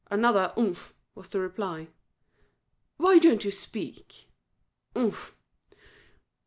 Another "Umph" was the reply. "Why don't you speak?" "Umph."